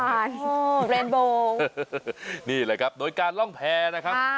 แบรนด์โบนี่แหละครับโดยการล่องแพร่นะครับ